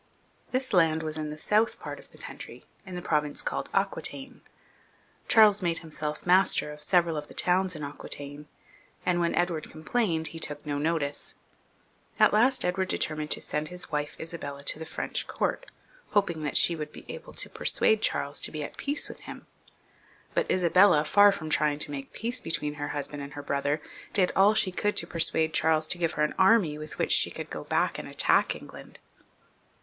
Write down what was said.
This land was in the south part of the country, in the province called Aquitaine. Charles made himself master of several of the towns in Aquitaine, and when Edward complained, he took no notice. At last Edward determined to send his wife Isa bella to the French court, hoping that she would be able to persuade Charles to be at peace with him ; but Isabella, far from trying to make peace between her husband and her brother, did all she could to persuade Charles to give her an army with which to go back and attack England.